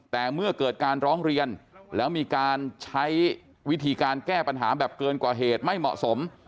แต่เมื่อเกิดการร้องเรียนแล้วมีการใช้วิธีการแก้ปัญหาแบบเกินกว่าเหตุไม่เหมาะสม